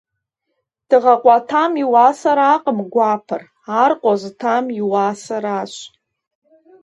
Тыгъэ къуатам и уасэракъым гуапэр, ар къозытам и уасэращ.